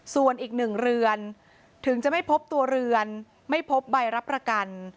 ส่วนอีก๑เรือนถึงจะไม่พบตัวเรือนไม่พบใบรับประกัน